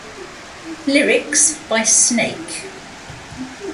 Lyrics by Snake.